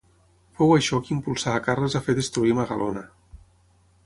Fou això que impulsà a Carles a fer destruir Magalona.